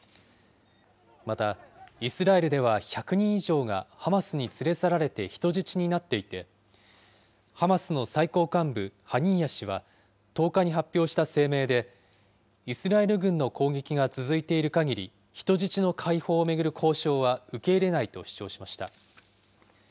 また、イスラエルでは１００人以上がハマスに連れ去られて人質になっていて、ハマスの最高幹部、ハニーヤ氏は１０日に発表した声明で、イスラエル軍の攻撃が続いているかぎり、人質の解放を巡る交渉は受け入れないと主張しました。